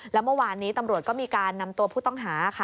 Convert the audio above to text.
แล้วเมื่อวานนี้ตำรวจก็มีการนำตัวผู้ต้องหาค่ะ